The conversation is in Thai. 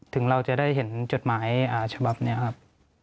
ถึงเราจะได้เห็นจดหมายฉบับนี้ครับ